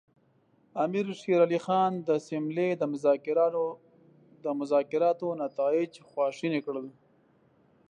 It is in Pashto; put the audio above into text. امیر شېر علي خان د سیملې د مذاکراتو نتایج خواشیني کړل.